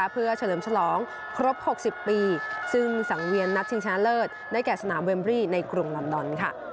เพื่อเฉลิมฉลองครบ๖๐ปีซึ่งสังเวียนนัดชิงชนะเลิศได้แก่สนามเมมรี่ในกรุงลอนดอน